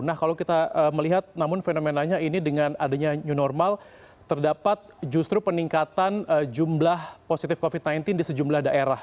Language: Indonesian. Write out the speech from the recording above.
nah kalau kita melihat namun fenomenanya ini dengan adanya new normal terdapat justru peningkatan jumlah positif covid sembilan belas di sejumlah daerah